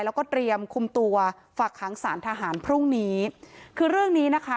แล้วก็เตรียมคุมตัวฝากค้างสารทหารพรุ่งนี้คือเรื่องนี้นะคะ